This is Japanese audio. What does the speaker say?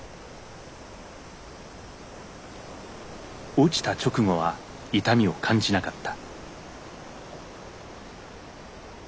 落ちた直後は痛みを感じなかった。